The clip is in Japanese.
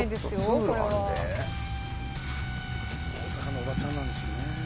大阪のおばちゃんなんですよね。